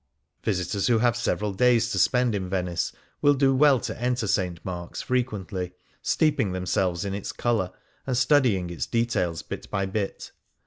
Visitors who have several days to spend in Venice will do well to enter St. Mark's fre quently, steeping themselves in its colour, and 6i Things Seen in Venice studying its details bit by bit.